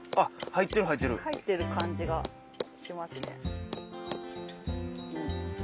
入ってる感じがしますね。